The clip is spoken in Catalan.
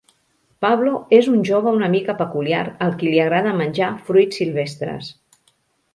Pablo és un jove una mica peculiar al que li agrada menjar fruits silvestres.